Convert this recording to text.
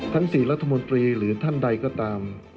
ทั้ง๔รัฐมนตรีหรือท่านใดก็ตาม